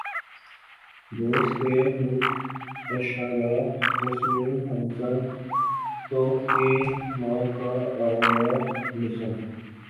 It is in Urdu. روس کے ملک اشعراء رسول ہمزہ توف کی مارکہ آرا نظم